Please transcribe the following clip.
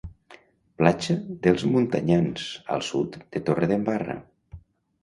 Platja d'Els Muntanyans, al sud de Torredembarra.